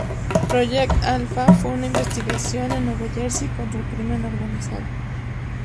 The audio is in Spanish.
Project Alpha fue una investigación en Nueva Jersey contra el crimen organizado.